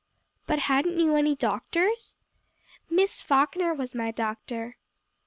"But hadn't you any doctors?" "Miss Falkner was my doctor."